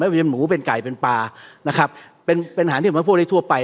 เป็นหมูเป็นไก่เป็นปลานะครับเป็นเป็นอาหารที่บริโภคได้ทั่วไป